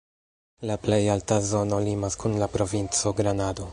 La plej alta zono limas kun la provinco Granado.